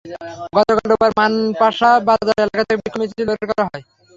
গতকাল রোববার মানপাশা বাজার এলাকা থেকে বিক্ষোভ মিছিল বের করা হয়।